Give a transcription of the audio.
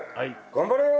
頑張れよ。